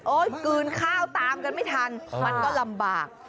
กลืนข้าวตามกันไม่ทันมันก็ลำบาก